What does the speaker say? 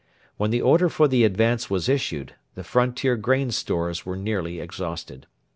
When the order for the advance was issued, the frontier grain stores were nearly exhausted.